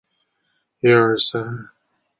地下一楼二楼